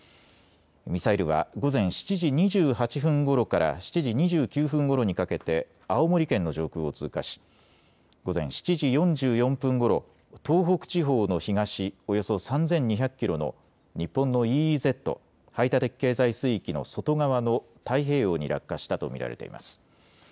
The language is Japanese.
ミサイルは午前７時２８分ごろから７時２９分ごろにかけて青森県の上空を通過し午前７時４４分ごろ、東北地方の東およそ３２００キロの日本のＥＥＺ・排他的経済水域の外側の太平洋に落下したと見られています。